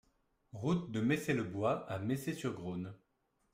Route de Messey-le-Bois à Messey-sur-Grosne